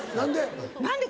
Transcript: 何で？